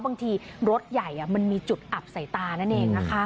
บางทีรถใหญ่มันมีจุดอับใส่ตานั่นเองนะคะ